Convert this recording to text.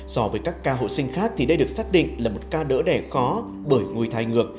so với các ca hộ sinh khác thì đây được xác định là một ca đỡ đẻ khó bởi ngôi thái ngược